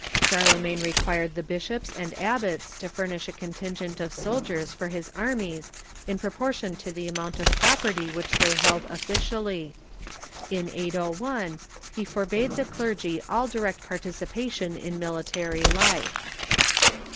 Charlemagne required the bishops and abbots to furnish a con tingent of soldiers for his armies in proportion to the amount 112 THE MEDIEVAL CHURCH of property wliicli they held officially. In 801 he forbade the clergy all direct participation in military life.